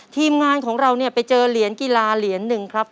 ทีมงานของเราเนี่ยไปเจอเหรียญกีฬาเหรียญหนึ่งครับ